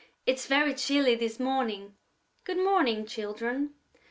It's very chilly this morning.... Good morning, children...."